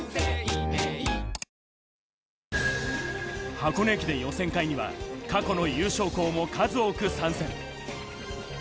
箱根駅伝予選会には過去の優勝校も数多く参戦。